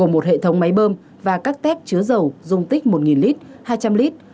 một hệ thống máy bơm và các tép chứa dầu dung tích một lít hai trăm linh lít